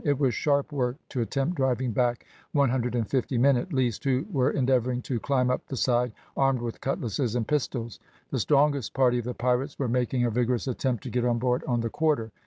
It was sharp work to attempt driving back one hundred and fifty men, at least, who were endeavouring to climb up the side, armed with cutlasses and pistols. The strongest party of the pirates were making a vigorous attempt to get on board on the quarter.